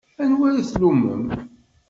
Anwa ara tlummem?